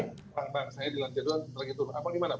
pak pak saya di dalam jadwal lagi turun